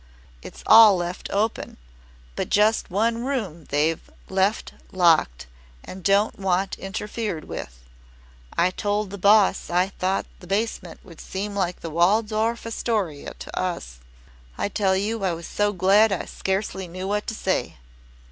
It's all left open but just one room they've left locked and don't want interfered with. I told the boss I thought the basement would seem like the Waldorf Astoria to us. I tell you I was so glad I scarcely knew what to say."